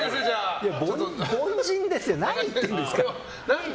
凡人ですよ何言ってるんですか。